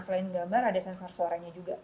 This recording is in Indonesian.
selain gambar ada sensor suaranya juga